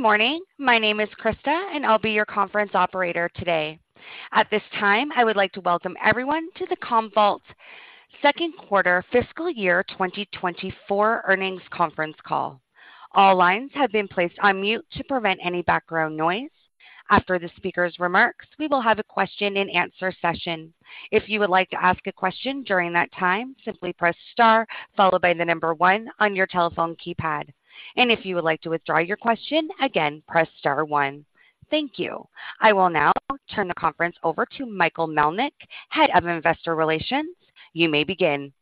Good morning. My name is Krista, and I'll be your conference operator today. At this time, I would like to welcome everyone to Commvault's Second Quarter Fiscal Year 2024 Earnings Conference Call. All lines have been placed on mute to prevent any background noise. After the speaker's remarks, we will have a question-and-answer session. If you would like to ask a question during that time, simply press star followed by the number one on your telephone keypad. If you would like to withdraw your question, again, press star one. Thank you. I will now turn the conference over to Michael Melnyk, Head of Investor Relations. You may begin.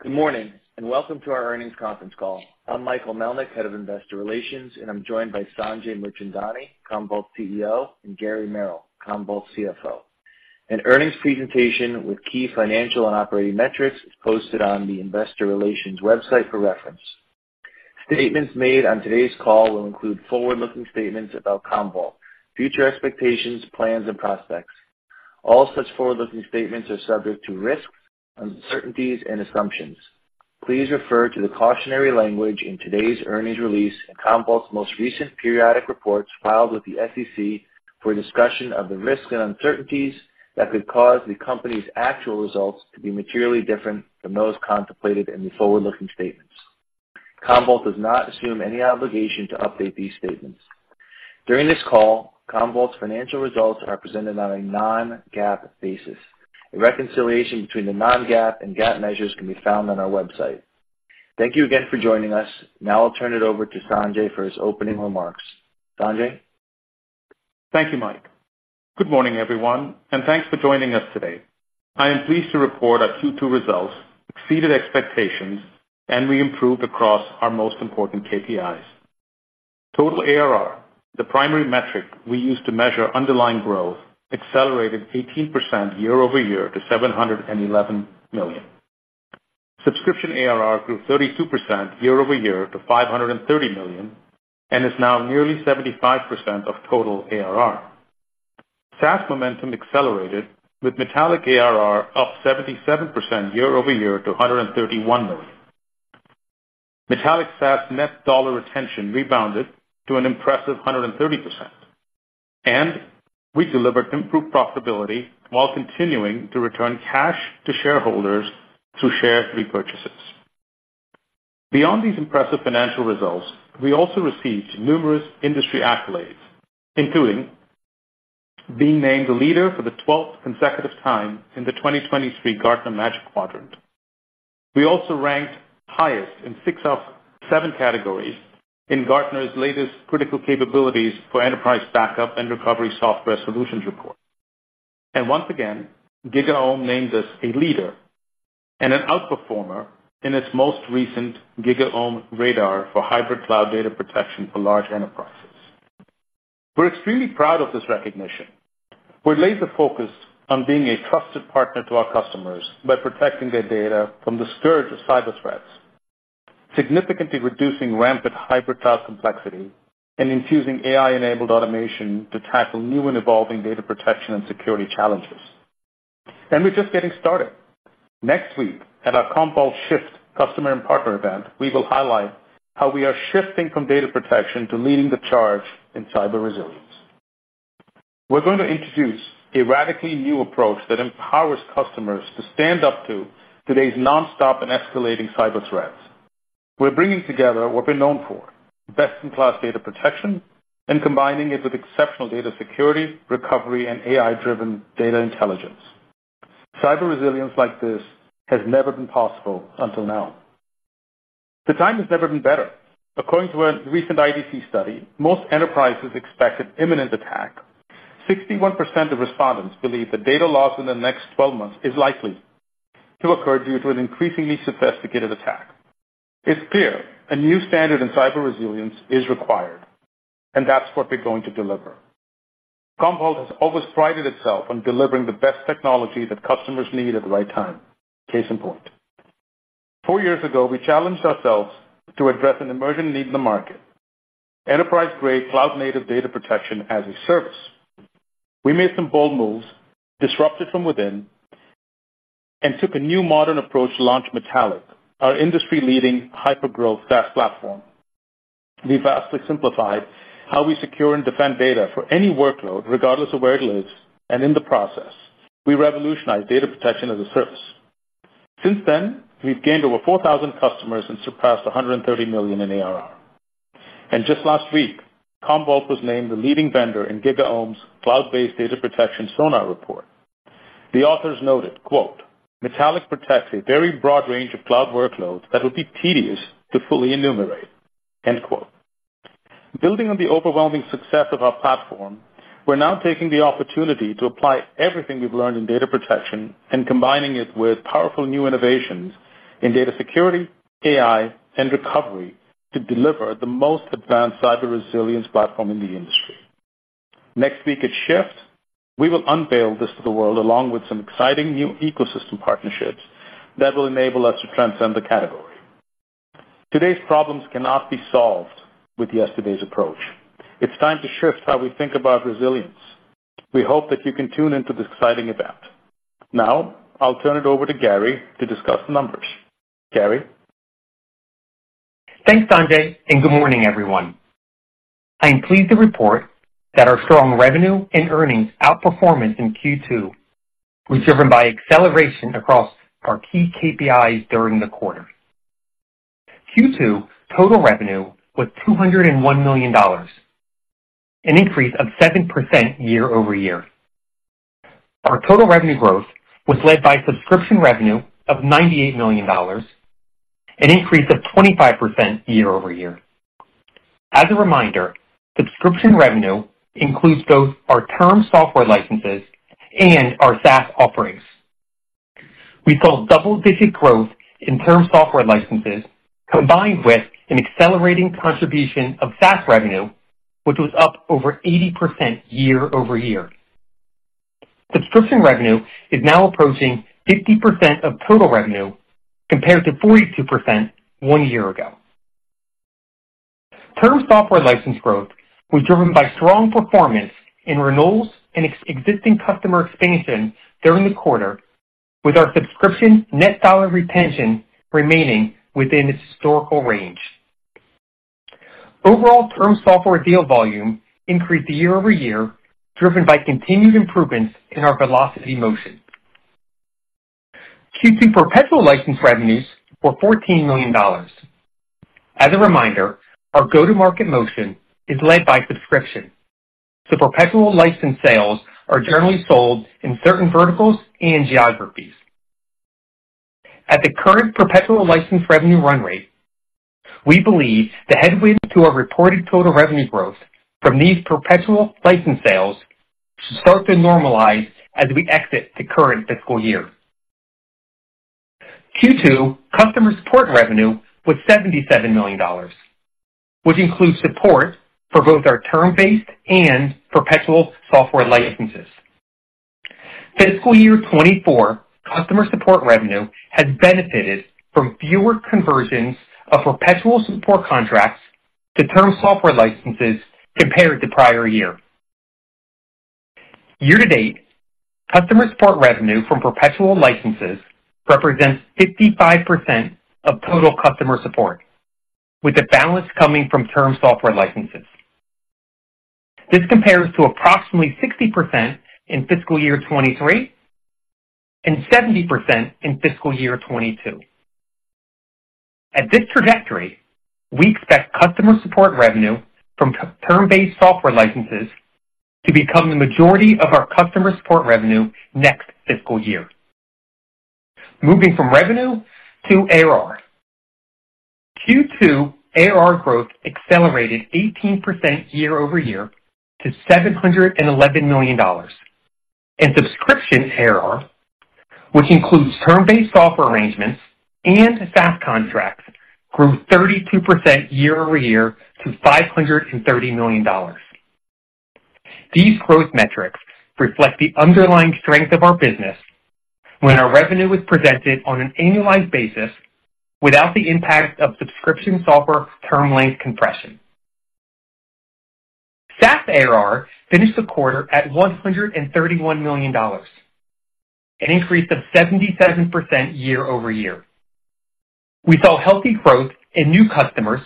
Good morning, and welcome to our earnings conference call. I'm Michael Melnyk, Head of Investor Relations, and I'm joined by Sanjay Mirchandani, Commvault CEO, and Gary Merrill, Commvault CFO. An earnings presentation with key financial and operating metrics is posted on the investor relations website for reference. Statements made on today's call will include forward-looking statements about Commvault, future expectations, plans, and prospects. All such forward-looking statements are subject to risks, uncertainties and assumptions. Please refer to the cautionary language in today's earnings release and Commvault's most recent periodic reports filed with the SEC for a discussion of the risks and uncertainties that could cause the company's actual results to be materially different from those contemplated in the forward-looking statements. Commvault does not assume any obligation to update these statements. During this call, Commvault's financial results are presented on a non-GAAP basis. A reconciliation between the non-GAAP and GAAP measures can be found on our website. Thank you again for joining us. Now I'll turn it over to Sanjay for his opening remarks. Sanjay? Thank you, Mike. Good morning, everyone, and thanks for joining us today. I am pleased to report our Q2 results exceeded expectations, and we improved across our most important KPIs. Total ARR, the primary metric we use to measure underlying growth, accelerated 18% year-over-year to $711 million. Subscription ARR grew 32% year-over-year to $530 million, and is now nearly 75% of total ARR. SaaS momentum accelerated, with Metallic ARR up 77% year-over-year to $131 million. Metallic SaaS net dollar retention rebounded to an impressive 130%, and we delivered improved profitability while continuing to return cash to shareholders through share repurchases. Beyond these impressive financial results, we also received numerous industry accolades, including being named the leader for the twelfth consecutive time in the 2023 Gartner Magic Quadrant. We also ranked highest in six of seven categories in Gartner's latest Critical Capabilities for Enterprise Backup and Recovery Software Solutions Report. And once again, GigaOm named us a leader and an outperformer in its most recent GigaOm Radar for hybrid cloud data protection for large enterprises. We're extremely proud of this recognition. We're laser-focused on being a trusted partner to our customers by protecting their data from the scourge of cyber threats, significantly reducing rampant hybrid cloud complexity, and infusing AI-enabled automation to tackle new and evolving data protection and security challenges. And we're just getting started. Next week, at our Commvault Shift customer and partner event, we will highlight how we are shifting from data protection to leading the charge in cyber resilience. We're going to introduce a radically new approach that empowers customers to stand up to today's nonstop and escalating cyber threats. We're bringing together what we're known for, best-in-class data protection, and combining it with exceptional data security, recovery, and AI-driven data intelligence. Cyber resilience like this has never been possible until now. The time has never been better. According to a recent IDC study, most enterprises expect an imminent attack. 61% of respondents believe that data loss in the next twelve months is likely to occur due to an increasingly sophisticated attack. It's clear a new standard in cyber resilience is required, and that's what we're going to deliver. Commvault has always prided itself on delivering the best technology that customers need at the right time. Case in point, four years ago, we challenged ourselves to address an emerging need in the market, enterprise-grade cloud-native data protection as a service. We made some bold moves, disrupted from within, and took a new modern approach to launch Metallic, our industry-leading, hyper-growth SaaS platform. We vastly simplified how we secure and defend data for any workload, regardless of where it lives, and in the process, we revolutionized data protection as a service. Since then, we've gained over 4,000 customers and surpassed $130 million in ARR. And just last week, Commvault was named the leading vendor in GigaOm's cloud-based data protection Radar report. The authors noted, quote, "Metallic protects a very broad range of cloud workloads that would be tedious to fully enumerate," end quote. Building on the overwhelming success of our platform, we're now taking the opportunity to apply everything we've learned in data protection and combining it with powerful new innovations in data security, AI, and recovery to deliver the most advanced cyber resilience platform in the industry. Next week at Shift, we will unveil this to the world, along with some exciting new ecosystem partnerships that will enable us to transcend the category. Today's problems cannot be solved with yesterday's approach. It's time to shift how we think about resilience. We hope that you can tune into this exciting event. Now, I'll turn it over to Gary to discuss the numbers. Gary? Thanks, Sanjay, and good morning, everyone. I am pleased to report that our strong revenue and earnings outperformance in Q2 was driven by acceleration across our key KPIs during the quarter. Q2 total revenue was $201 million, an increase of 7% year-over-year. Our total revenue growth was led by subscription revenue of $98 million, an increase of 25% year-over-year. As a reminder, subscription revenue includes both our term software licenses and our SaaS offerings. We saw double-digit growth in term software licenses, combined with an accelerating contribution of SaaS revenue, which was up over 80% year-over-year. Subscription revenue is now approaching 50% of total revenue, compared to 42% one year ago. Term software license growth was driven by strong performance in renewals and existing customer expansion during the quarter, with our subscription net dollar retention remaining within its historical range. Overall term software deal volume increased year-over-year, driven by continued improvements in our velocity motion. Q2 perpetual license revenues were $14 million. As a reminder, our go-to-market motion is led by subscription. The perpetual license sales are generally sold in certain verticals and geographies. At the current perpetual license revenue run rate, we believe the headway to our reported total revenue growth from these perpetual license sales should start to normalize as we exit the current fiscal year. Q2 customer support revenue was $77 million, which includes support for both our term-based and perpetual software licenses. Fiscal year 2024 customer support revenue has benefited from fewer conversions of perpetual support contracts to term software licenses compared to prior year. Year to date, customer support revenue from perpetual licenses represents 55% of total customer support, with the balance coming from term software licenses. This compares to approximately 60% in fiscal year 2023 and 70% in fiscal year 2022. At this trajectory, we expect customer support revenue from term-based software licenses to become the majority of our customer support revenue next fiscal year. Moving from revenue to ARR. Q2 ARR growth accelerated 18% year-over-year to $711 million, and subscription ARR, which includes term-based software arrangements and SaaS contracts, grew 32% year-over-year to $530 million. These growth metrics reflect the underlying strength of our business when our revenue is presented on an annualized basis without the impact of subscription software term length compression. SaaS ARR finished the quarter at $131 million, an increase of 77% year-over-year. We saw healthy growth in new customers,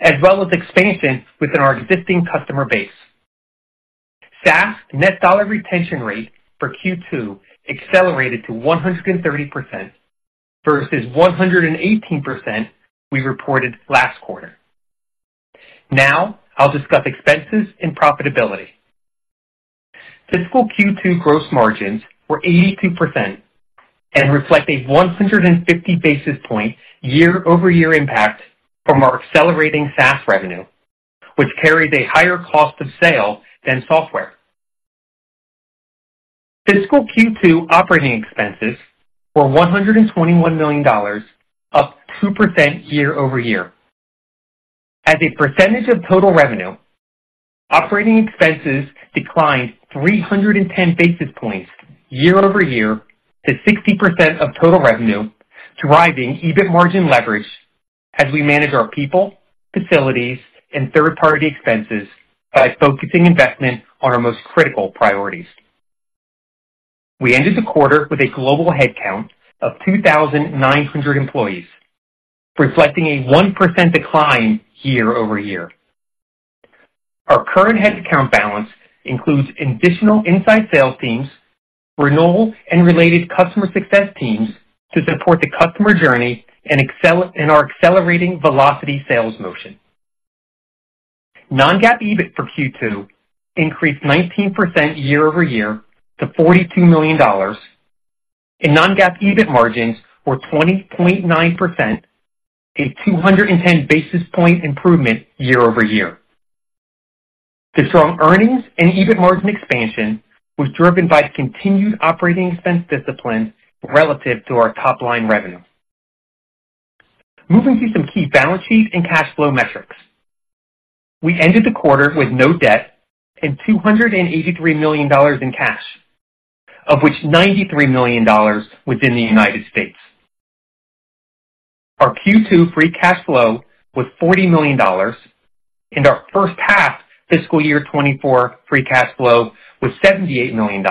as well as expansion within our existing customer base. SaaS net dollar retention rate for Q2 accelerated to 130% versus 118% we reported last quarter. Now, I'll discuss expenses and profitability. Fiscal Q2 gross margins were 82% and reflect a 150 basis point year-over-year impact from our accelerating SaaS revenue, which carries a higher cost of sale than software. Fiscal Q2 operating expenses were $121 million, up 2% year-over-year. As a percentage of total revenue, operating expenses declined 310 basis points year-over-year to 60% of total revenue, driving EBIT margin leverage as we manage our people, facilities, and third-party expenses by focusing investment on our most critical priorities. We ended the quarter with a global headcount of 2,900 employees, reflecting a 1% decline year-over-year. Our current headcount balance includes additional inside sales teams, renewal and related customer success teams to support the customer journey and our accelerating velocity sales motion. Non-GAAP EBIT for Q2 increased 19% year-over-year to $42 million, and non-GAAP EBIT margins were 20.9%, a 210 basis points improvement year-over-year. The strong earnings and EBIT margin expansion was driven by continued operating expense discipline relative to our top-line revenue. Moving to some key balance sheet and cash flow metrics. We ended the quarter with no debt and $283 million in cash, of which $93 million was in the United States. Our Q2 free cash flow was $40 million, and our first half fiscal year 2024 free cash flow was $78 million,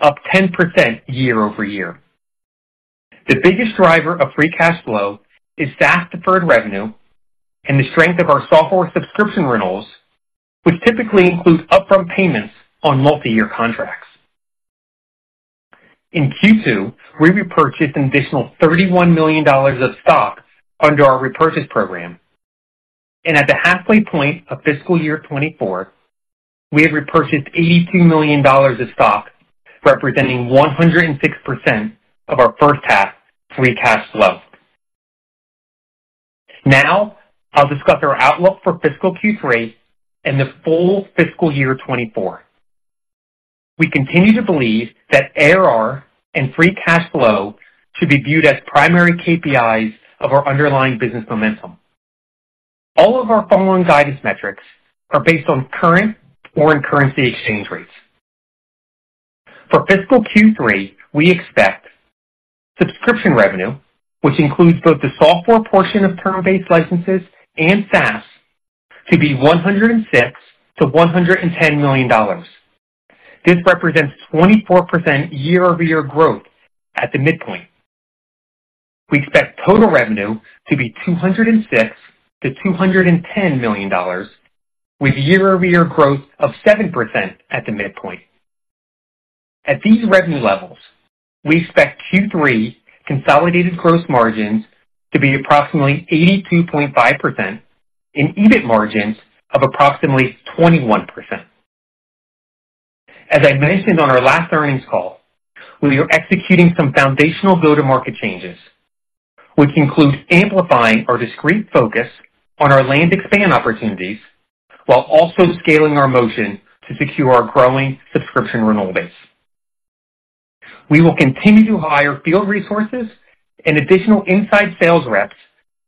up 10% year-over-year. The biggest driver of free cash flow is SaaS deferred revenue and the strength of our software subscription renewals, which typically include upfront payments on multi-year contracts. In Q2, we repurchased an additional $31 million of stock under our repurchase program, and at the halfway point of fiscal year 2024, we have repurchased $82 million of stock, representing 106% of our first half free cash flow. Now, I'll discuss our outlook for fiscal Q3 and the full fiscal year 2024. We continue to believe that ARR and free cash flow should be viewed as primary KPIs of our underlying business momentum. All of our following guidance metrics are based on current foreign currency exchange rates. For fiscal Q3, we expect subscription revenue, which includes both the software portion of term-based licenses and SaaS, to be $106 million-$110 million. This represents 24% year-over-year growth at the midpoint. We expect total revenue to be $206 million-$210 million, with year-over-year growth of 7% at the midpoint. At these revenue levels, we expect Q3 consolidated gross margins to be approximately 82.5% and EBIT margins of approximately 21%. As I mentioned on our last earnings call, we are executing some foundational go-to-market changes, which include amplifying our discrete focus on our land expand opportunities, while also scaling our motion to secure our growing subscription renewal base. We will continue to hire field resources and additional inside sales reps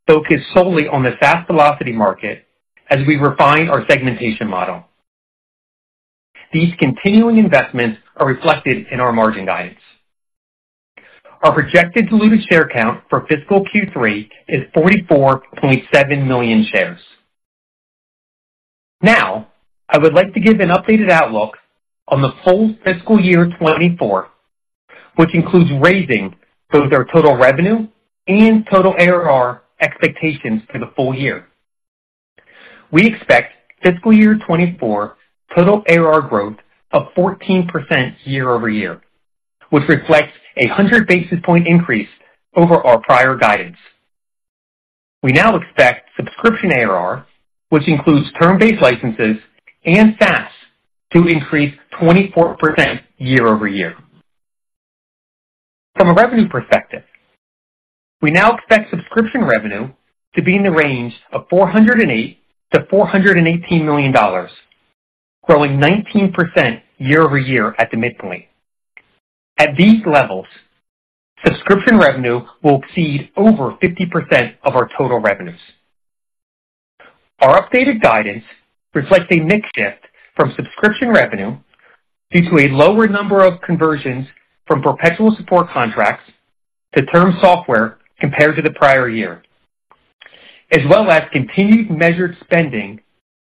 focused solely on the fast velocity market as we refine our segmentation model. These continuing investments are reflected in our margin guidance. Our projected diluted share count for fiscal Q3 is 44.7 million shares. Now, I would like to give an updated outlook on the full fiscal year 2024, which includes raising both our total revenue and total ARR expectations for the full year. We expect fiscal year 2024 total ARR growth of 14% year-over-year, which reflects a 100 basis point increase over our prior guidance. We now expect subscription ARR, which includes term-based licenses and SaaS, to increase 24% year-over-year. From a revenue perspective, we now expect subscription revenue to be in the range of $408 million-$418 million, growing 19% year-over-year at the midpoint. At these levels, subscription revenue will exceed over 50% of our total revenues. Our updated guidance reflects a mix shift from subscription revenue due to a lower number of conversions from perpetual support contracts to term software compared to the prior year, as well as continued measured spending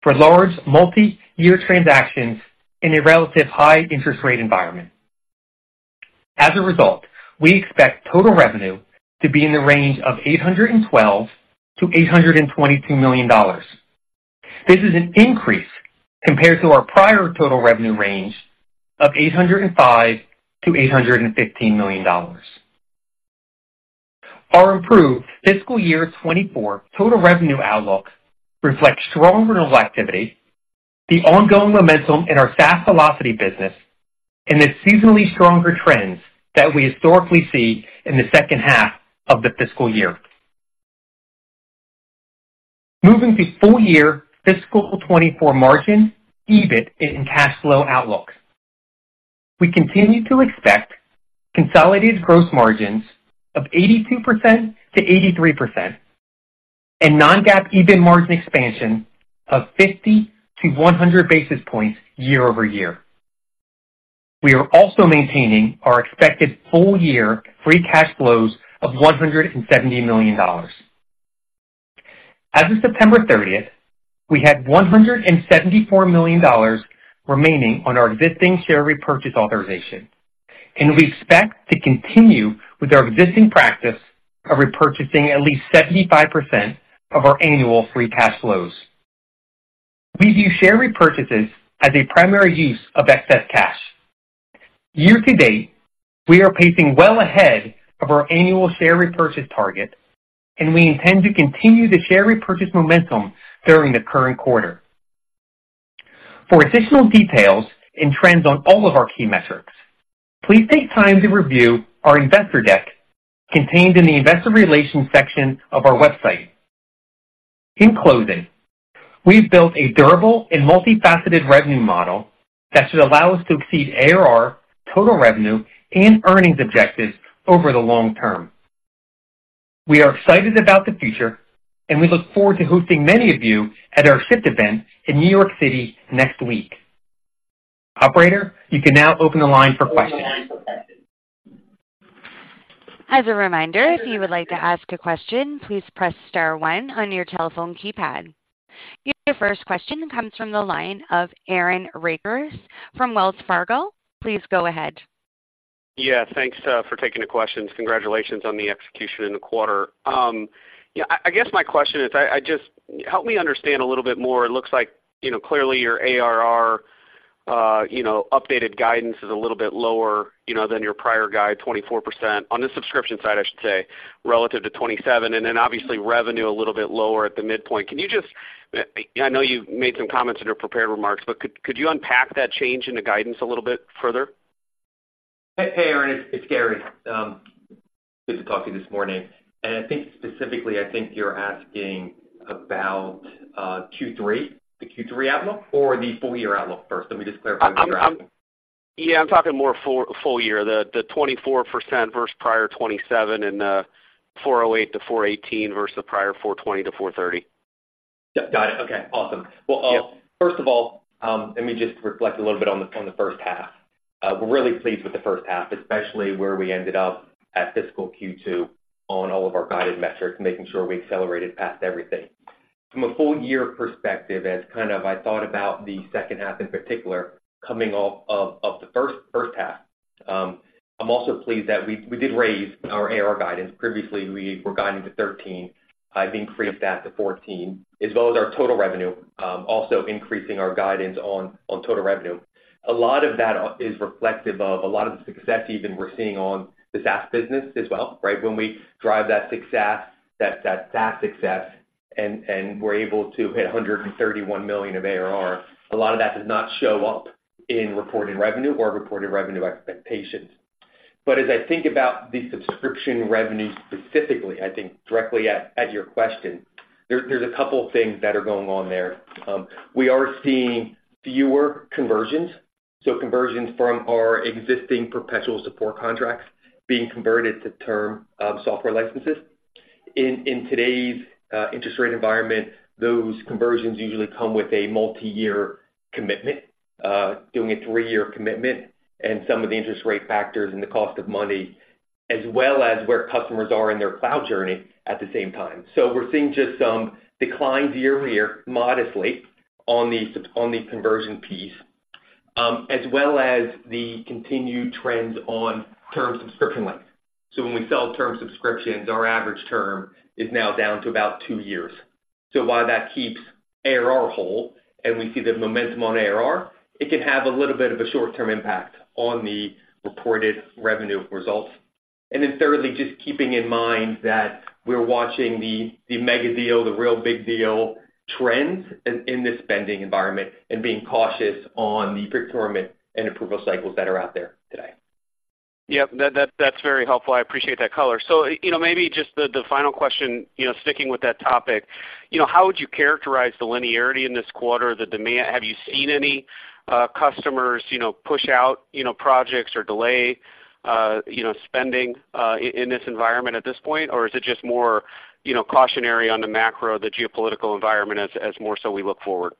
for large multi-year transactions in a relative high interest rate environment. As a result, we expect total revenue to be in the range of $812 million-$822 million. This is an increase compared to our prior total revenue range of $805 million to 815 million. Our improved fiscal year 2024 total revenue outlook reflects strong renewal activity, the ongoing momentum in our fast velocity business, and the seasonally stronger trends that we historically see in the second half of the fiscal year. Moving to full year fiscal 2024 margins, EBIT and cash flow outlooks. We continue to expect consolidated gross margins of 82%-83% and non-GAAP EBIT margin expansion of 50-100 basis points year-over-year. We are also maintaining our expected full year free cash flows of $170 million. As of September 30, we had $174 million remaining on our existing share repurchase authorization, and we expect to continue with our existing practice of repurchasing at least 75% of our annual free cash flows. We view share repurchases as a primary use of excess cash. Year to date, we are pacing well ahead of our annual share repurchase target, and we intend to continue the share repurchase momentum during the current quarter. For additional details and trends on all of our key metrics, please take time to review our investor deck contained in the investor relations section of our website. In closing, we've built a durable and multifaceted revenue model that should allow us to exceed ARR, total revenue, and earnings objectives over the long term.... We are excited about the future, and we look forward to hosting many of you at our Shift event in New York City next week. Operator, you can now open the line for questions. As a reminder, if you would like to ask a question, please press star one on your telephone keypad. Your first question comes from the line of Aaron Rakers from Wells Fargo. Please go ahead. Yeah, thanks, for taking the questions. Congratulations on the execution in the quarter. Yeah, I guess my question is, help me understand a little bit more. It looks like, you know, clearly your ARR, you know, updated guidance is a little bit lower, you know, than your prior guide, 24%. On the subscription side, I should say, relative to 27%, and then obviously revenue a little bit lower at the midpoint. Can you just, I know you've made some comments in your prepared remarks, but could you unpack that change in the guidance a little bit further? Hey, hey, Aaron, it's Gary. Good to talk to you this morning, and I think specifically, I think you're asking about Q3, the Q3 outlook or the full year outlook? First, let me just clarify. Yeah, I'm talking more full year. The 24% versus prior 27% and $408 to 418 versus the prior $420 to 430. Got it. Okay, awesome. Yeah. Well, first of all, let me just reflect a little bit on the first half. We're really pleased with the first half, especially where we ended up at fiscal Q2 on all of our guided metrics, making sure we accelerated past everything. From a full year perspective, as kind of I thought about the second half, in particular, coming off of the first half, I'm also pleased that we did raise our ARR guidance. Previously, we were guiding to 13, I increased that to 14, as well as our total revenue, also increasing our guidance on total revenue. A lot of that is reflective of a lot of the success even we're seeing on the SaaS business as well, right? When we drive that success, SaaS success, and we're able to hit $131 million of ARR, a lot of that does not show up in reported revenue or reported revenue expectations. But as I think about the subscription revenue specifically, I think directly at your question, there's a couple things that are going on there. We are seeing fewer conversions, so conversions from our existing perpetual support contracts being converted to term software licenses. In today's interest rate environment, those conversions usually come with a multi-year commitment, doing a three-year commitment, and some of the interest rate factors and the cost of money, as well as where customers are in their cloud journey at the same time. So we're seeing just some declines year-over-year, modestly on the sub- on the conversion piece, as well as the continued trends on term subscription length. So when we sell term subscriptions, our average term is now down to about two years. So while that keeps ARR whole and we see the momentum on ARR, it can have a little bit of a short-term impact on the reported revenue results. And then thirdly, just keeping in mind that we're watching the mega deal, the real big deal trends in this spending environment, and being cautious on the procurement and approval cycles that are out there today. Yep. That's very helpful. I appreciate that color. So, you know, maybe just the final question, you know, sticking with that topic. You know, how would you characterize the linearity in this quarter, the demand? Have you seen any customers, you know, push out, you know, projects or delay, you know, spending in this environment at this point? Or is it just more, you know, cautionary on the macro, the geopolitical environment as more so we look forward?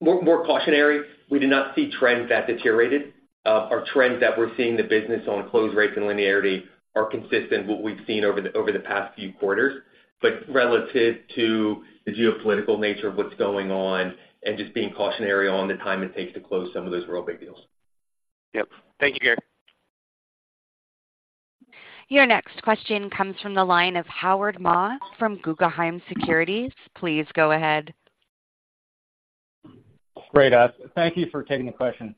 More, more cautionary. We do not see trends that deteriorated. Our trends that we're seeing the business on close rates and linearity are consistent with what we've seen over the past few quarters, but relative to the geopolitical nature of what's going on and just being cautionary on the time it takes to close some of those real big deals. Yep. Thank you, Gary. Your next question comes from the line of Howard Ma from Guggenheim Securities. Please go ahead. Great. Thank you for taking the question.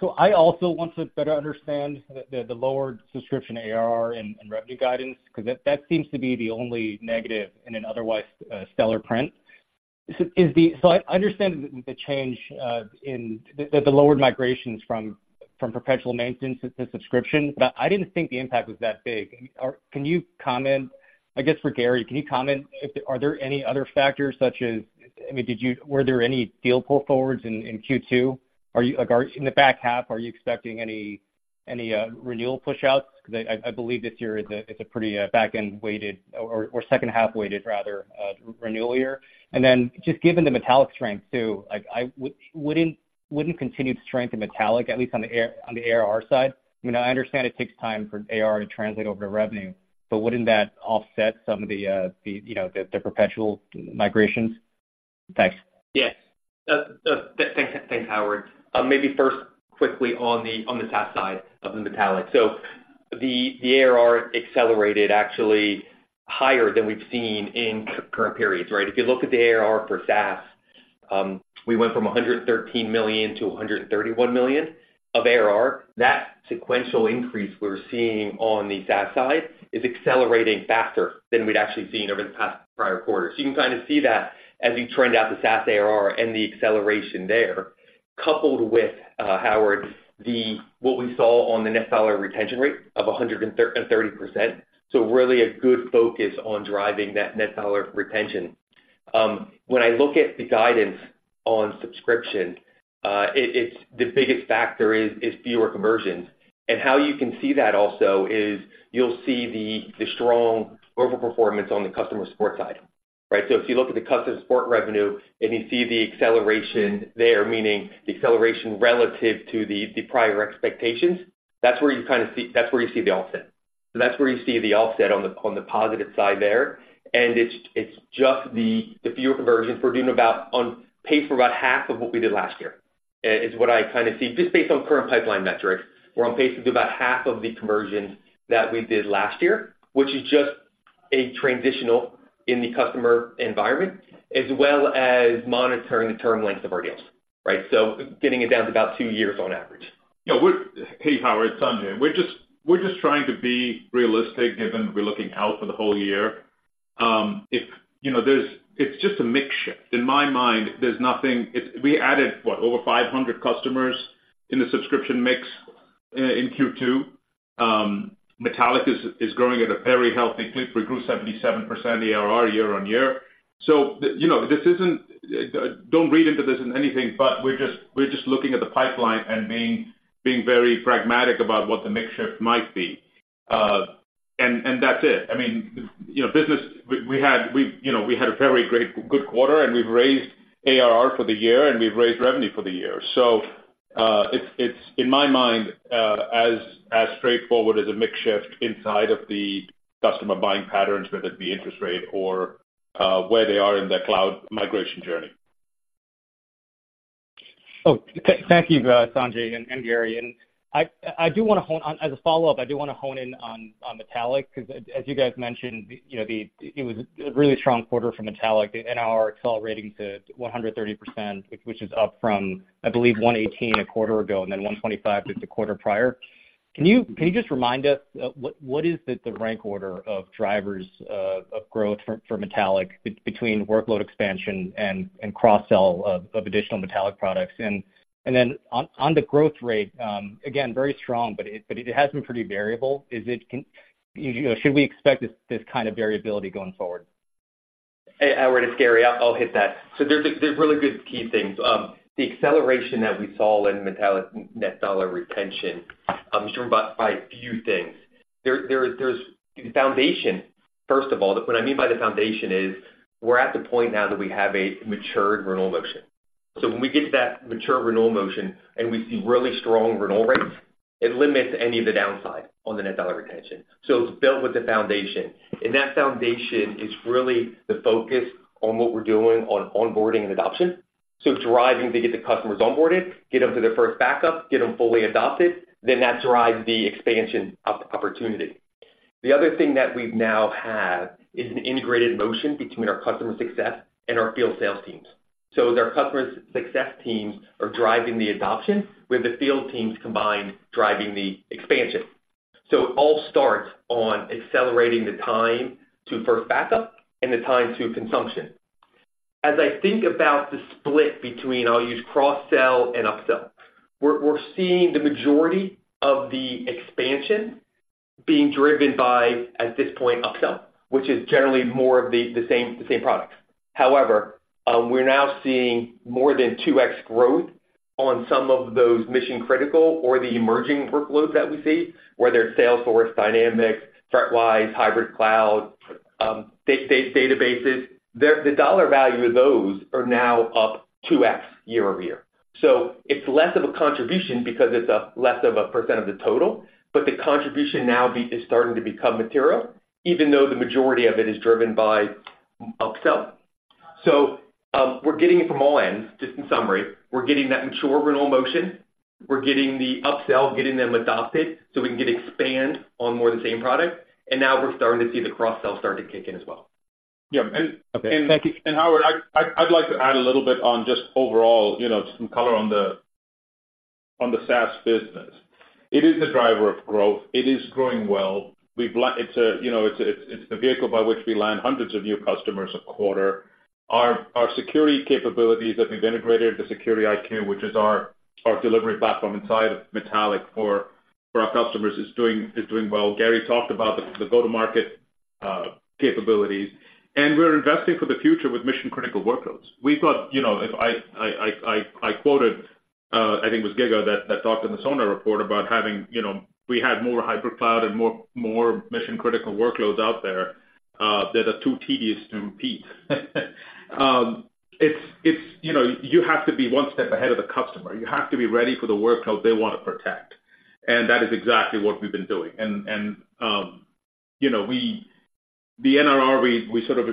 So I also want to better understand the lower subscription ARR and revenue guidance, 'cause that seems to be the only negative in an otherwise stellar print. So I understand the change in the lowered migrations from perpetual maintenance to subscription, but I didn't think the impact was that big. Or can you comment, I guess, for Gary, can you comment. Are there any other factors? I mean, were there any deal pull forwards in Q2? Like, in the back half, are you expecting any renewal pushouts? 'Cause I believe this year is a pretty back-end weighted or second half-weighted rather renewal year. Then just given the Metallic strength too, like, wouldn't continued strength in Metallic, at least on the ARR side, I mean, I understand it takes time for ARR to translate over to revenue, but wouldn't that offset some of the, you know, the perpetual migrations? Thanks. Yes. Thanks, Howard. Maybe first, quickly on the SaaS side of the Metallic. So the ARR accelerated actually higher than we've seen in current periods, right? If you look at the ARR for SaaS, we went from $113 million to 131 million of ARR. That sequential increase we're seeing on the SaaS side is accelerating faster than we'd actually seen over the past prior quarters. You can kind of see that as we trend out the SaaS ARR and the acceleration there, coupled with, Howard, the what we saw on the net dollar retention rate of 130%. So really a good focus on driving that net dollar retention. When I look at the guidance on subscription, it's the biggest factor is viewer conversions. And how you can see that also is you'll see the, the strong overperformance on the customer support side, right? So if you look at the customer support revenue, and you see the acceleration there, meaning the acceleration relative to the, the prior expectations, that's where you kind of see, that's where you see the offset. So that's where you see the offset on the, on the positive side there, and it's, it's just the, the viewer conversions. We're doing about on pace for about half of what we did last year, is what I kind of see, just based on current pipeline metrics. We're on pace to do about half of the conversions that we did last year, which is just a transitional in the customer environment, as well as monitoring the term length of our deals, right? So getting it down to about two years on average. Yeah, we're. Hey, Howard, it's Sanjay. We're just, we're just trying to be realistic, given we're looking out for the whole year. If, you know, it's just a mix shift. In my mind, there's nothing. We added over 500 customers in the subscription mix in Q2. Metallic is growing at a very healthy clip. We grew 77% ARR year-on-year. So, you know, this isn't. Don't read into this as anything, but we're just, we're just looking at the pipeline and being, being very pragmatic about what the mix shift might be. And that's it. I mean, you know, business, we had a very great good quarter, and we've raised ARR for the year, and we've raised revenue for the year. So, it's in my mind as straightforward as a mix shift inside of the customer buying patterns, whether it be interest rate or where they are in their cloud migration journey. Oh, thank you, Sanjay and Gary. I do want to hone in on Metallic, 'cause as you guys mentioned, you know, it was a really strong quarter for Metallic, the NRR accelerating to 130%, which is up from, I believe, 118% a quarter ago, and then 125% just a quarter prior. Can you just remind us what is the rank order of drivers of growth for Metallic between workload expansion and cross-sell of additional Metallic products? And then on the growth rate, again, very strong, but it has been pretty variable. You know, should we expect this kind of variability going forward? Hey, Howard, it's Gary. I'll hit that. So there's really good key things. The acceleration that we saw in Metallic Net Dollar Retention is driven by a few things. There's the foundation, first of all. What I mean by the foundation is, we're at the point now that we have a matured renewal motion. So when we get to that mature renewal motion and we see really strong renewal rates, it limits any of the downside on the Net Dollar Retention. So it's built with the foundation, and that foundation is really the focus on what we're doing on onboarding and adoption. So driving to get the customers onboarded, get them to their first backup, get them fully adopted, then that drives the expansion opportunity. The other thing that we now have is an integrated motion between our customer success and our field sales teams. So as our customer success teams are driving the adoption, with the field teams combined, driving the expansion. So it all starts on accelerating the time to first backup and the time to consumption. As I think about the split between, I'll use cross-sell and up-sell, we're seeing the majority of the expansion being driven by, at this point, up-sell, which is generally more of the same products. However, we're now seeing more than 2x growth on some of those mission-critical or the emerging workloads that we see, whether it's Salesforce, Dynamics, ThreatWise, hybrid cloud, databases. The dollar value of those are now up 2x year-over-year. So it's less of a contribution because it's a less of a percent of the total, but the contribution now is starting to become material, even though the majority of it is driven by up-sell. So, we're getting it from all ends, just in summary. We're getting that mature renewal motion. We're getting the up-sell, getting them adopted, so we can get expand on more of the same product. Now we're starting to see the cross-sell starting to kick in as well. Yeah, and- Okay. Thank you. Howard, I'd like to add a little bit on just overall, you know, just some color on the, on the SaaS business. It is a driver of growth. It is growing well. It's a, you know, it's a, it's the vehicle by which we land hundreds of new customers a quarter. Our, our security capabilities that we've integrated, the Security IQ, which is our, our delivery platform inside of Metallic for, for our customers, is doing well. Gary talked about the go-to-market capabilities, and we're investing for the future with mission-critical workloads. We've got, you know, if I quoted, I think it was GigaOm that talked in the Radar report about having, you know, we had more hypercloud and more mission-critical workloads out there that are too tedious to compete. It's, you know, you have to be one step ahead of the customer. You have to be ready for the workload they want to protect, and that is exactly what we've been doing. You know, we, the NDR, we sort of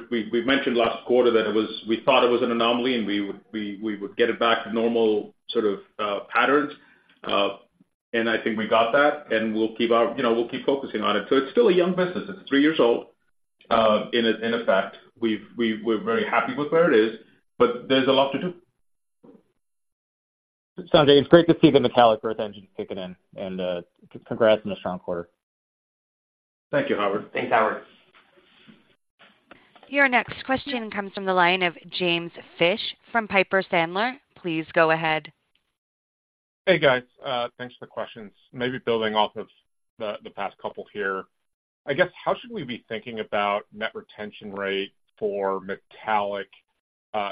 mentioned last quarter that it was, we thought it was an anomaly, and we would get it back to normal sort of patterns. And I think we got that, and we'll keep our, you know, we'll keep focusing on it. So it's still a young business. It's three years old, in effect. We're very happy with where it is, but there's a lot to do. Sanjay, it's great to see the Metallic growth engine kicking in, and congrats on a strong quarter. Thank you, Howard. Thanks, Howard. Your next question comes from the line of James Fish from Piper Sandler. Please go ahead.... Hey, guys, thanks for the questions. Maybe building off of the past couple here, I guess, how should we be thinking about net retention rate for Metallic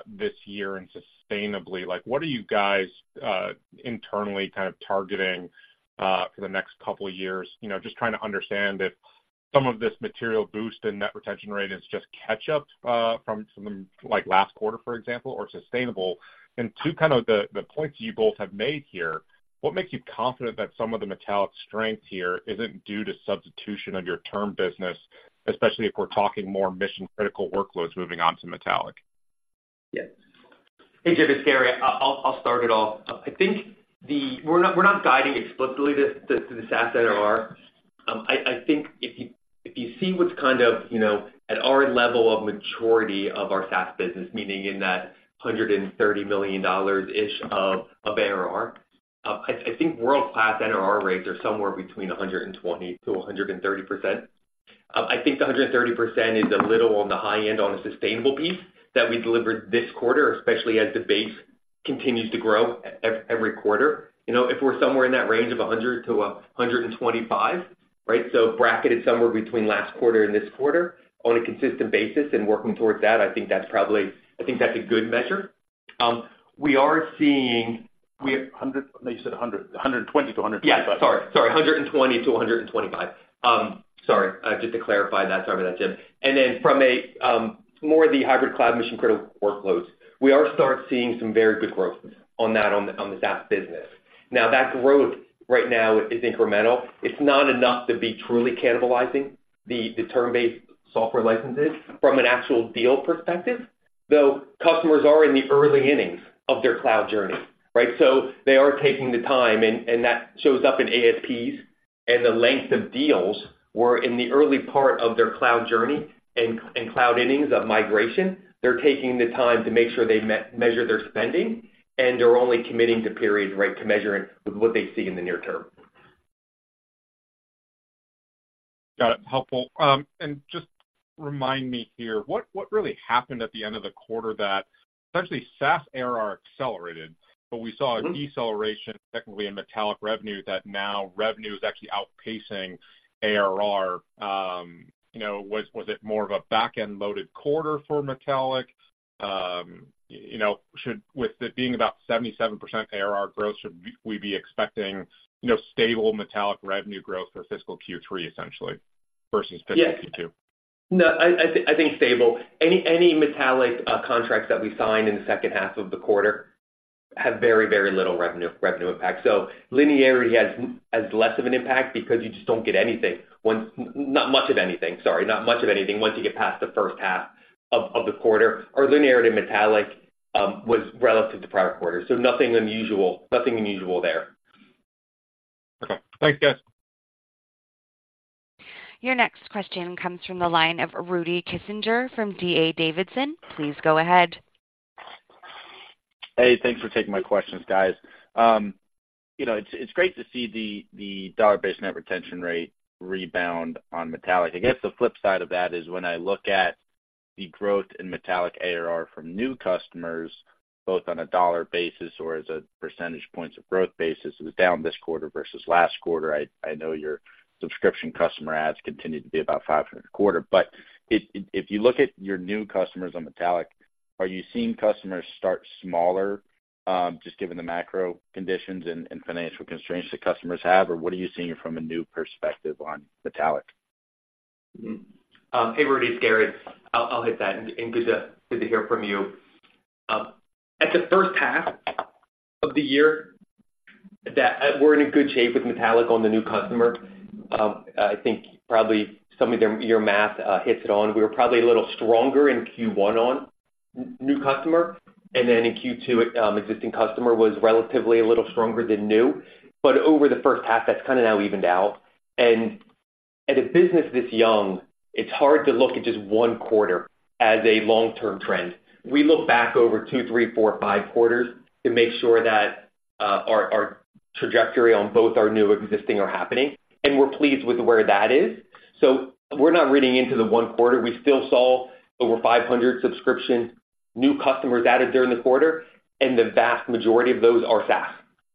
this year and sustainably? Like, what are you guys internally kind of targeting for the next couple of years? You know, just trying to understand if some of this material boost in net retention rate is just catch up from some, like, last quarter, for example, or sustainable. And two, kind of the points you both have made here, what makes you confident that some of the Metallic strength here isn't due to substitution of your term business, especially if we're talking more mission-critical workloads moving on to Metallic? Yeah. Hey, Jim, it's Gary. I'll start it off. I think the... We're not guiding explicitly to the SaaS ARR. I think if you see what's kind of, you know, at our level of maturity of our SaaS business, meaning in that $130 million-ish of ARR, I think world-class NRR rates are somewhere between 120% to 130%. I think the 130% is a little on the high end on the sustainable piece that we delivered this quarter, especially as the base continues to grow every quarter. You know, if we're somewhere in that range of 100%-125%, right? So bracketed somewhere between last quarter and this quarter on a consistent basis and working towards that, I think that's probably - I think that's a good measure. We are seeing, we have- You said 100, 120 to 125. Yeah, sorry, sorry. 120 to 125. Sorry, just to clarify that. Sorry about that, Jim. And then from more of the hybrid cloud mission-critical workloads, we are start seeing some very good growth on that, on the SaaS business. Now, that growth right now is incremental. It's not enough to be truly cannibalizing the term-based software licenses from an actual deal perspective, though customers are in the early innings of their cloud journey, right? So they are taking the time, and that shows up in ASPs and the length of deals were in the early part of their cloud journey and cloud innings of migration. They're taking the time to make sure they measure their spending, and they're only committing to periods, right, to measuring what they see in the near term. Got it. Helpful. And just remind me here, what, what really happened at the end of the quarter that essentially SaaS ARR accelerated, but we saw- Mm-hmm... a deceleration technically in Metallic revenue, that now revenue is actually outpacing ARR. You know, was it more of a back-end loaded quarter for Metallic? You know, should we, with it being about 77% ARR growth, be expecting, you know, stable Metallic revenue growth for fiscal Q3 essentially, versus Q2? Yeah. No, I think stable. Any Metallic contracts that we sign in the second half of the quarter have very, very little revenue impact. So linearity has less of an impact because you just don't get anything once... not much of anything, sorry, not much of anything, once you get past the first half of the quarter. Our linearity in Metallic was relative to prior quarters, so nothing unusual, nothing unusual there. Okay. Thanks, guys. Your next question comes from the line of Rudy Kessinger from D.A. Davidson. Please go ahead. Hey, thanks for taking my questions, guys. You know, it's great to see the dollar-based net retention rate rebound on Metallic. I guess the flip side of that is when I look at the growth in Metallic ARR from new customers, both on a dollar basis or as a percentage points of growth basis, is down this quarter versus last quarter. I know your subscription customer adds continued to be about 500 a quarter. But if you look at your new customers on Metallic, are you seeing customers start smaller, just given the macro conditions and financial constraints that customers have? Or what are you seeing from a new perspective on Metallic? Mm-hmm. Hey, Rudy, it's Gary. I'll hit that, and good to hear from you. At the first half of the year, that we're in good shape with Metallic on the new customer. I think probably some of your math hits it on. We were probably a little stronger in Q1 on new customer, and then in Q2, existing customer was relatively a little stronger than new. But over the first half, that's kind of now evened out. And at a business this young, it's hard to look at just one quarter as a long-term trend. We look back over two, three, four, five quarters to make sure that our trajectory on both our new and existing are happening, and we're pleased with where that is. So we're not reading into the one quarter. We still saw over 500 subscription new customers added during the quarter, and the vast majority of those are SaaS,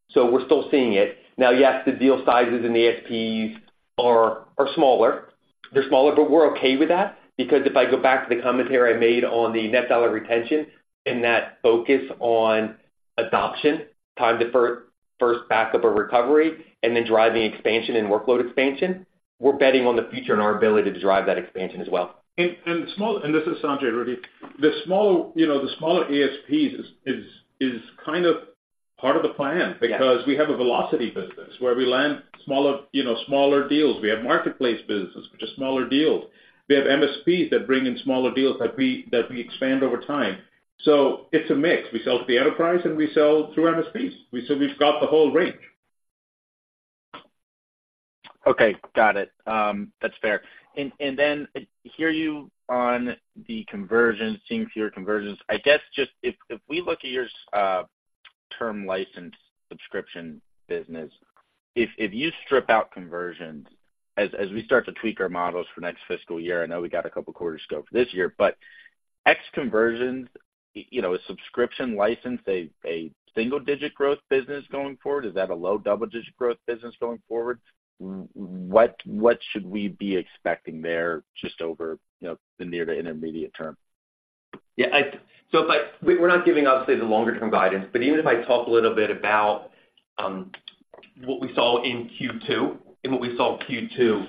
so we're still seeing it. Now, yes, the deal sizes and the ASPs are, are smaller. They're smaller, but we're okay with that, because if I go back to the commentary I made on the net dollar retention and that focus on adoption, time to first backup or recovery, and then driving expansion and workload expansion, we're betting on the future and our ability to drive that expansion as well. And this is Sanjay, Rudy. The small, you know, the smaller ASPs is kind of part of the plan- Yeah because we have a velocity business where we land smaller, you know, smaller deals. We have marketplace business, which are smaller deals. We have MSPs that bring in smaller deals that we expand over time. So it's a mix. We sell to the enterprise, and we sell through MSPs. So we've got the whole range. Okay, got it. That's fair. And then I hear you on the conversion, seeing fewer conversions. I guess just if we look at your term license subscription business. If you strip out conversions, as we start to tweak our models for next fiscal year, I know we got a couple quarters to go for this year, but ex conversions, you know, a subscription license, a single-digit growth business going forward, is that a low double-digit growth business going forward? What should we be expecting there just over, you know, the near to intermediate term? Yeah, so if I-- We're not giving, obviously, the longer-term guidance, but even if I talk a little bit about what we saw in Q2, and what we saw in Q2,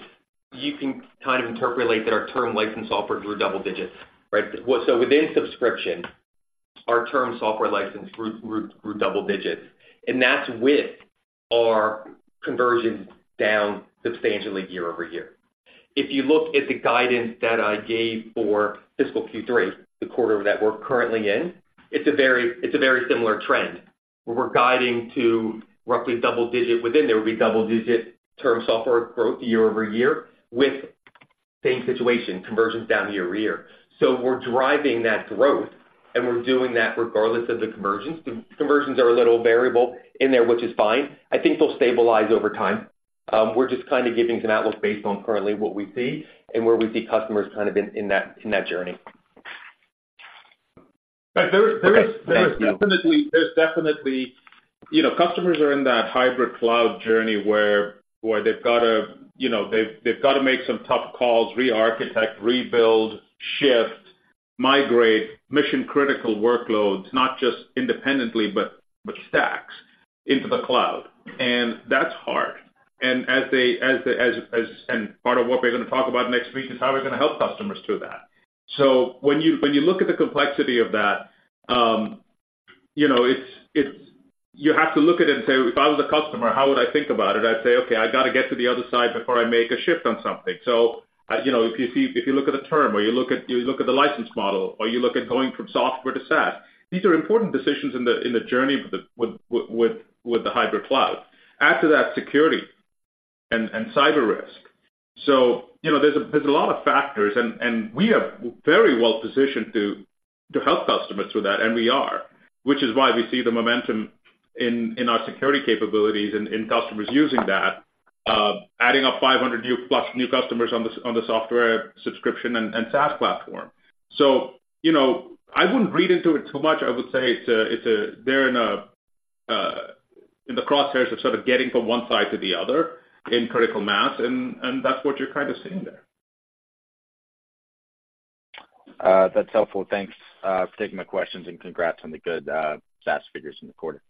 you can kind of interpolate that our term license software grew double digits, right? Well, so within subscription, our term software license grew, grew, grew double digits, and that's with our conversions down substantially year over year. If you look at the guidance that I gave for fiscal Q3, the quarter that we're currently in, it's a very similar trend, where we're guiding to roughly double digit within there will be double-digit term software growth year over year, with same situation, conversions down year over year. So we're driving that growth, and we're doing that regardless of the conversions. The conversions are a little variable in there, which is fine. I think they'll stabilize over time. We're just kind of giving some outlook based on currently what we see and where we see customers kind of in that journey. But there is- Thank you. There is definitely. You know, customers are in that hybrid cloud journey where they've got to, you know, make some tough calls, rearchitect, rebuild, shift, migrate mission-critical workloads, not just independently, but stacks into the cloud. And that's hard. And part of what we're gonna talk about next week is how we're gonna help customers through that. So when you look at the complexity of that, you know, it's. You have to look at it and say: If I was a customer, how would I think about it? I'd say, "Okay, I got to get to the other side before I make a shift on something." So, you know, if you see, if you look at the term, or you look at, you look at the license model, or you look at going from software to SaaS, these are important decisions in the, in the journey with the, with, with, with, with the hybrid cloud. Add to that security and, and cyber risk. So, you know, there's a, there's a lot of factors, and, and we are very well positioned to, to help customers with that, and we are, which is why we see the momentum in, in our security capabilities and, and customers using that, adding up 500 new plus new customers on the, on the software subscription and, and SaaS platform. So, you know, I wouldn't read into it too much. I would say they're in the crosshairs of sort of getting from one side to the other in critical mass, and that's what you're kind of seeing there. That's helpful. Thanks, taking my questions, and congrats on the good SaaS figures in the quarter.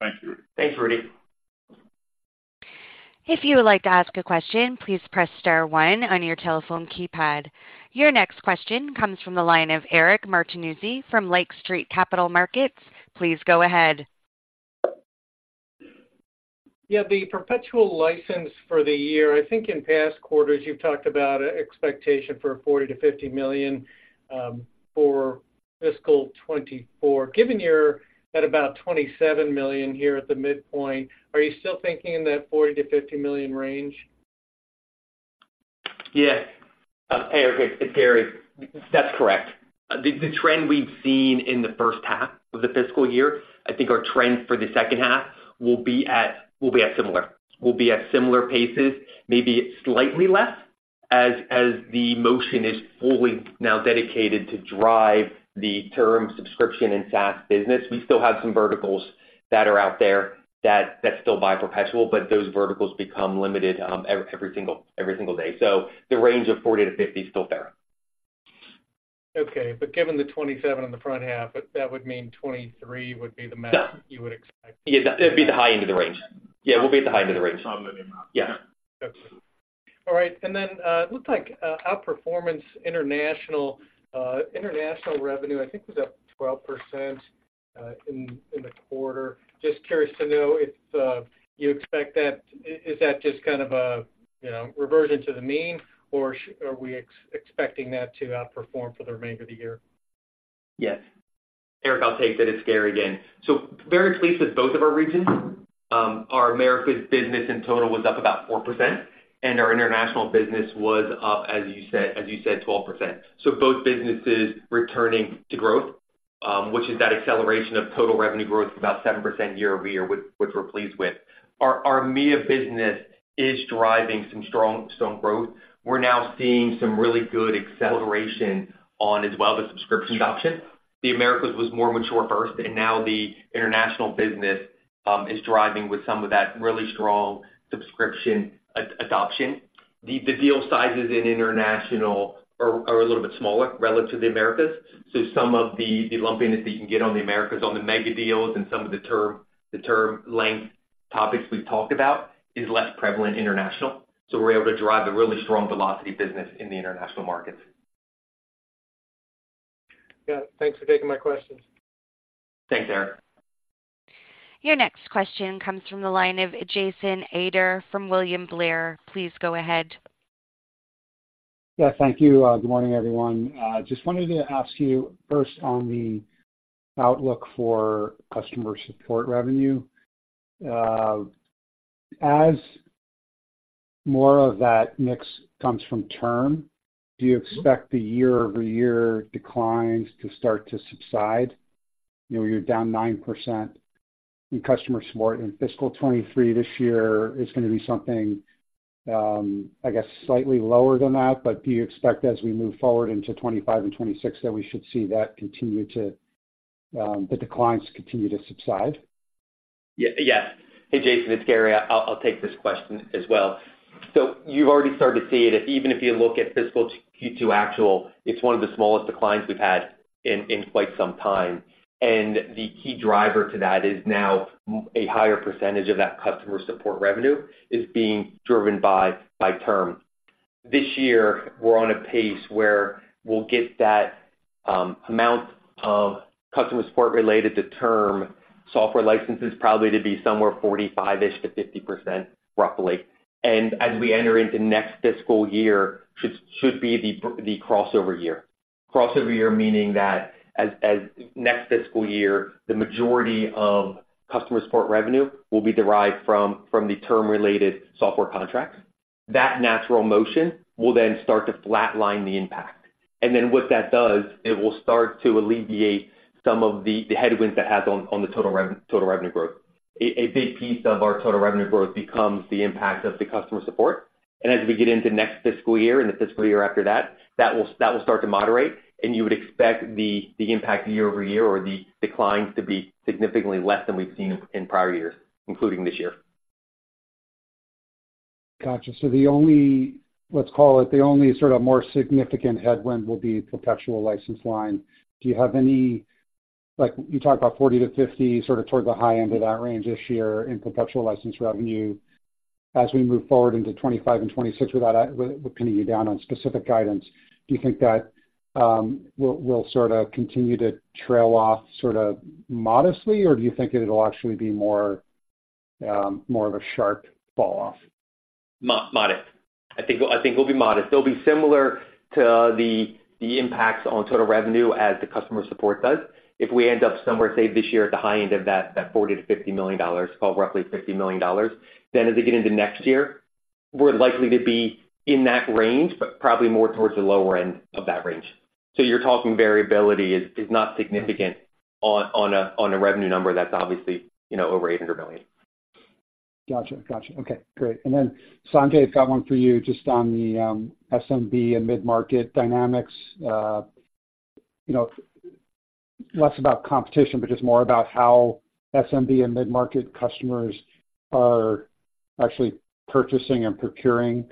Thank you. Thanks, Rudy. If you would like to ask a question, please press star one on your telephone keypad. Your next question comes from the line of Eric Martinuzi from Lake Street Capital Markets. Please go ahead. Yeah, the perpetual license for the year, I think in past quarters, you've talked about an expectation for $40 million to 50 million for fiscal 2024. Given you're at about $27 million here at the midpoint, are you still thinking in that $40 million to 50 million range? Yeah. Eric, it's Gary. That's correct. The trend we've seen in the first half of the fiscal year, I think our trend for the second half will be at similar paces, maybe slightly less, as the motion is fully now dedicated to drive the term subscription and SaaS business. We still have some verticals that are out there that still buy perpetual, but those verticals become limited every single day. So the range of 40 to 50 is still fair. Okay, but given the 27 in the front half, that would mean 23 would be the max- That- you would expect? Yeah, that it'd be the high end of the range. Yeah, it will be at the high end of the range. On the amount. Yeah. Okay. All right. Then, it looked like outperformance international, international revenue, I think, was up 12% in the quarter. Just curious to know if you expect that... Is that just kind of a, you know, reversion to the mean, or are we expecting that to outperform for the remainder of the year? Yes. Eric, I'll take that. It's Gary again. So very pleased with both of our regions. Our Americas business in total was up about 4%, and our international business was up, as you said, as you said, 12%. So both businesses returning to growth, which is that acceleration of total revenue growth of about 7% year-over-year, which we're pleased with. Our EMEA business is driving some strong, strong growth. We're now seeing some really good acceleration on, as well, the subscription adoption. The Americas was more mature first, and now the international business is driving with some of that really strong subscription adoption. The deal sizes in international are a little bit smaller relative to the Americas, so some of the lumpiness that you can get on the Americas on the mega deals and some of the term length topics we've talked about is less prevalent international. So we're able to drive a really strong velocity business in the international markets. Yeah. Thanks for taking my questions. Thanks, Eric. Your next question comes from the line of Jason Ader from William Blair. Please go ahead. Yeah, thank you. Good morning, everyone. I just wanted to ask you first on the outlook for customer support revenue. As-... more of that mix comes from term. Do you expect the year-over-year declines to start to subside? You know, you're down 9% in customer support in fiscal 2023. This year is going to be something, I guess, slightly lower than that. But do you expect as we move forward into 2025 and 2026, that we should see that continue to, the declines continue to subside? Yes. Hey, Jason, it's Gary. I'll take this question as well. So you've already started to see it. Even if you look at fiscal Q2 actual, it's one of the smallest declines we've had in quite some time. And the key driver to that is now a higher percentage of that customer support revenue is being driven by term. This year, we're on a pace where we'll get that amount of customer support related to term software licenses, probably to be somewhere 45-ish to 50%, roughly. And as we enter into next fiscal year, should be the crossover year. Crossover year, meaning that as next fiscal year, the majority of customer support revenue will be derived from the term-related software contracts. That natural motion will then start to flatline the impact. And then what that does, it will start to alleviate some of the headwinds that has on the total revenue growth. A big piece of our total revenue growth becomes the impact of the customer support. And as we get into next fiscal year and the fiscal year after that, that will start to moderate, and you would expect the impact year-over-year or the declines to be significantly less than we've seen in prior years, including this year. Got you. So the only, let's call it, the only sort of more significant headwind will be perpetual license line. Do you have any—like, you talked about 40 to 50, sort of toward the high end of that range this year in perpetual license revenue. As we move forward into 2025 and 2026, without pinning you down on specific guidance, do you think that, we'll sort of continue to trail off sort of modestly, or do you think it'll actually be more of a sharp fall off? Modest. I think it'll be modest. It'll be similar to the impacts on total revenue as the customer support does. If we end up somewhere, say, this year, at the high end of that $40 million to 50 million, call it roughly $50 million, then as they get into next year, we're likely to be in that range, but probably more towards the lower end of that range. So you're talking variability is not significant on a revenue number that's obviously, you know, over $800 million. Gotcha. Gotcha. Okay, great. And then, Sanjay, I've got one for you just on the SMB and mid-market dynamics. You know, less about competition, but just more about how SMB and mid-market customers are actually purchasing and procuring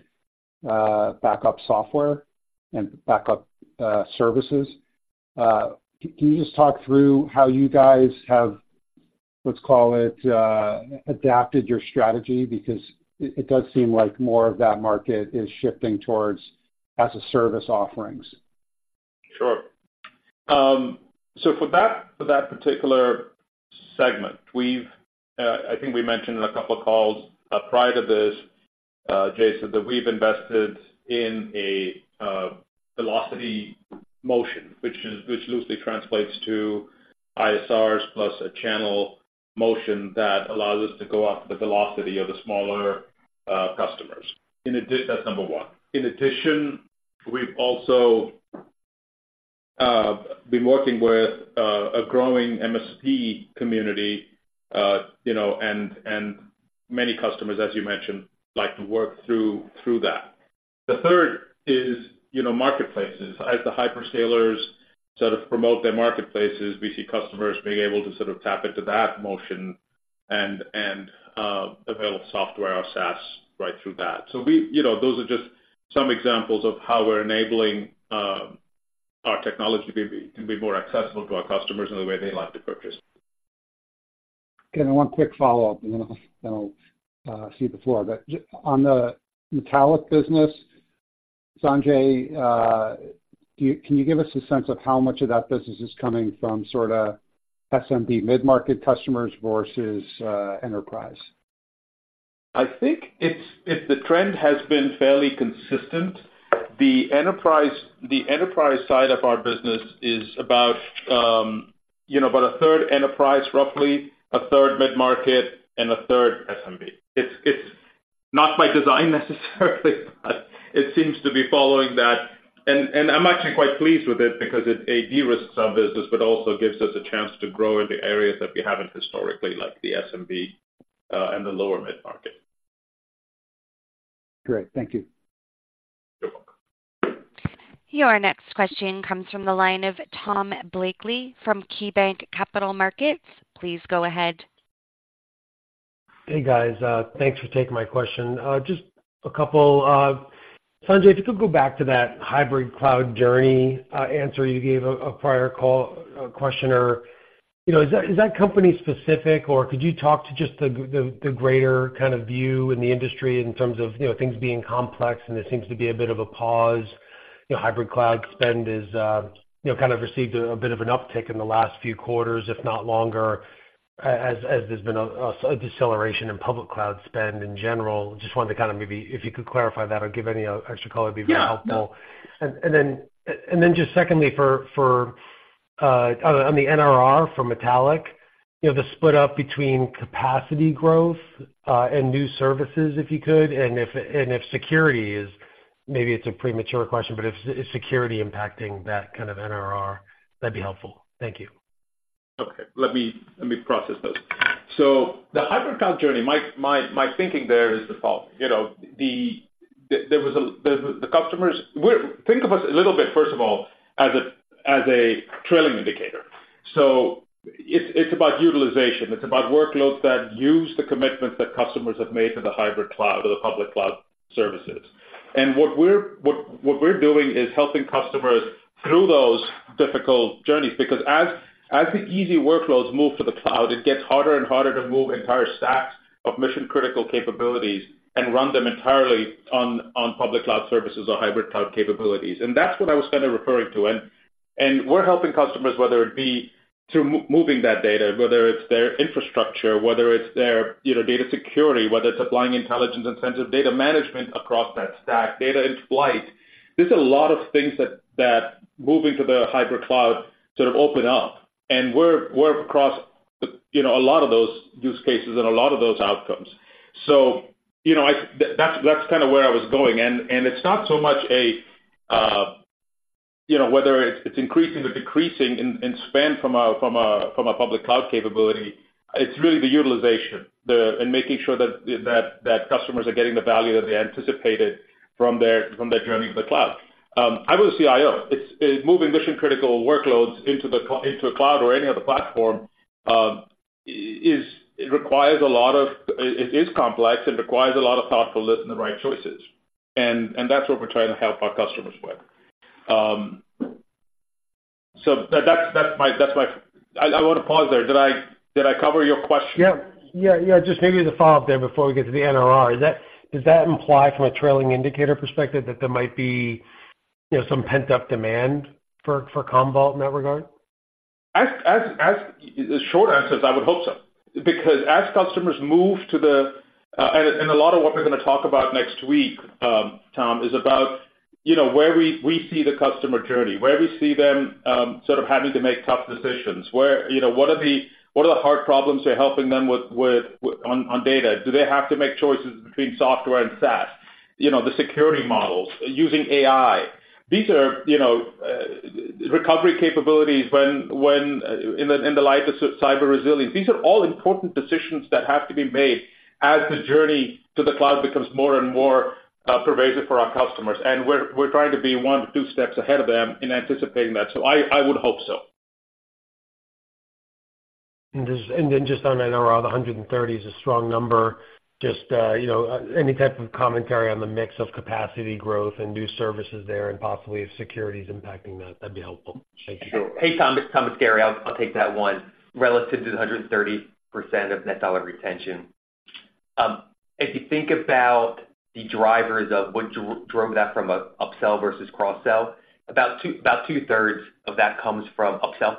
backup software and backup services. Can you just talk through how you guys have, let's call it, adapted your strategy? Because it does seem like more of that market is shifting towards as-a-service offerings. Sure. So for that particular segment, we've, I think we mentioned in a couple of calls prior to this, Jason, that we've invested in a velocity motion, which loosely translates to ISRs, plus a channel motion that allows us to go after the velocity of the smaller customers. That's number one. In addition, we've also been working with a growing MSP community, you know, and many customers, as you mentioned, like to work through that. The third is, you know, marketplaces. As the hyperscalers sort of promote their marketplaces, we see customers being able to sort of tap into that motion and avail software or SaaS right through that. So we—you know, those are just some examples of how we're enabling our technology to be more accessible to our customers in the way they like to purchase. One quick follow-up, and then I'll cede the floor. But just on the Metallic business, Sanjay, can you give us a sense of how much of that business is coming from sorta SMB mid-market customers versus enterprise? I think it's... If the trend has been fairly consistent, the enterprise, the enterprise side of our business is about, you know, about a third enterprise, roughly, a third mid-market, and a third SMB. It's not by design necessarily, but it seems to be following that. And I'm actually quite pleased with it because it de-risks our business, but also gives us a chance to grow into areas that we haven't historically, like the SMB and the lower mid-market. Great. Thank you. You're welcome. Your next question comes from the line of Tom Blakey from KeyBanc Capital Markets. Please go ahead. Hey, guys, thanks for taking my question. Just a couple. Sanjay, if you could go back to that hybrid cloud journey, answer you gave a prior call, questioner. You know, is that, is that company specific, or could you talk to just the greater kind of view in the industry in terms of, you know, things being complex, and there seems to be a bit of a pause? You know, hybrid cloud spend is, you know, kind of received a bit of an uptick in the last few quarters, if not longer, as there's been a deceleration in public cloud spend in general. Just wanted to kind of maybe if you could clarify that or give any extra color, it'd be very helpful. Yeah. Then just secondly, for the NDR from Metallic, you know, the split up between capacity growth and new services, if you could, and if security is, maybe it's a premature question, but is security impacting that kind of NDR? That'd be helpful. Thank you. Okay. Let me process those. So the hybrid cloud journey, my thinking there is the following. You know, think of us a little bit, first of all, as a trailing indicator. So it's about utilization, it's about workloads that use the commitments that customers have made to the hybrid cloud or the public cloud services. And what we're doing is helping customers through those difficult journeys, because as the easy workloads move to the cloud, it gets harder and harder to move entire stacks of mission-critical capabilities and run them entirely on public cloud services or hybrid cloud capabilities. And that's what I was kind of referring to. We're helping customers, whether it be through moving that data, whether it's their infrastructure, whether it's their, you know, data security, whether it's applying intelligence and sense of data management across that stack, data in flight. There's a lot of things that moving to the hybrid cloud sort of open up, and we're across the, you know, a lot of those use cases and a lot of those outcomes. So, you know, that's kind of where I was going. It's not so much a, you know, whether it's increasing or decreasing in spend from a public cloud capability. It's really the utilization, the... and making sure that customers are getting the value that they anticipated from their journey to the cloud. I was a CIO. It's moving mission-critical workloads into a cloud or any other platform. It requires a lot of—it is complex and requires a lot of thoughtfulness and the right choices. And that's what we're trying to help our customers with. So that's my... I want to pause there. Did I cover your question? Yeah. Yeah, yeah, just maybe to follow up there before we get to the NRR. Does that imply, from a trailing indicator perspective, that there might be, you know, some pent-up demand for, for Commvault in that regard? The short answer is, I would hope so. Because as customers move to the and a lot of what we're going to talk about next week, Tom, is about, you know, where we see the customer journey, where we see them sort of having to make tough decisions. Where, you know, what are the what are the hard problems we're helping them with on data? Do they have to make choices between software and SaaS? You know, the security models, using AI. These are, you know, recovery capabilities in the light of cyber resilience. These are all important decisions that have to be made as the journey to the cloud becomes more and more pervasive for our customers. We're trying to be one to two steps ahead of them in anticipating that. So I would hope so. And then just on NRR, the 130 is a strong number. Just, you know, any type of commentary on the mix of capacity growth and new services there, and possibly if security is impacting that, that'd be helpful. Thank you. Sure. Hey, Tom, it's Thomas Gary. I'll take that one. Relative to the 130% of Net Dollar Retention, if you think about the drivers of what drove that from a upsell versus cross-sell, about 2/3 of that comes from upsell,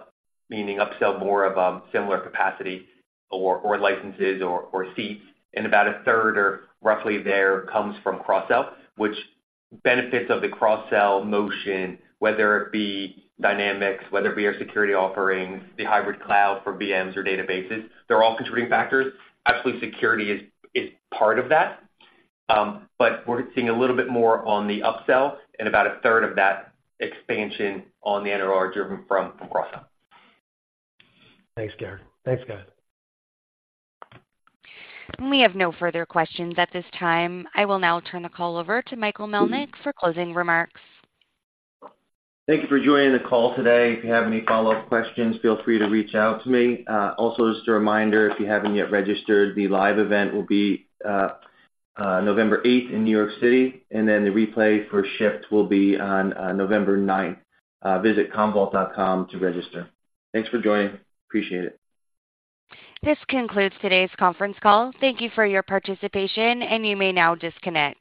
meaning upsell more of similar capacity or licenses or seats, and about a third, or roughly there, comes from cross-sell. Which benefits of the cross-sell motion, whether it be Dynamics, whether it be our security offerings, the hybrid cloud for VMs or databases, they're all contributing factors. Absolutely, security is part of that. But we're seeing a little bit more on the upsell and about a third of that expansion on the NDR driven from cross-sell. Thanks, Gary. Thanks, guys. We have no further questions at this time. I will now turn the call over to Michael Melnyk for closing remarks. Thank you for joining the call today. If you have any follow-up questions, feel free to reach out to me. Also, just a reminder, if you haven't yet registered, the live event will be November eighth in New York City, and then the replay for Shift will be on November 9th. Visit Commvault.com to register. Thanks for joining. Appreciate it. This concludes today's conference call. Thank you for your participation, and you may now disconnect.